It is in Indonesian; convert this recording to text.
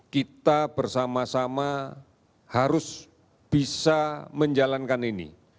kita bersama sama harus bisa menjalankan ini